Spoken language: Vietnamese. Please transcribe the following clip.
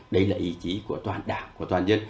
đây là ý chí của toàn đảng của toàn dân